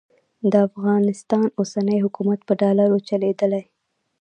د افغانستان اوسنی حکومت په ډالرو چلېدلی.